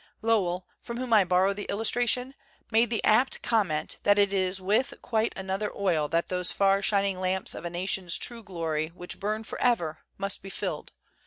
Lowell, from whom I borrow the illustration, made the apt comment that it is "with quite another oil that 86 THE CENTENARY OF A QUESTION those far shining lamps of a nation's true glory, which burn forever, must be filled.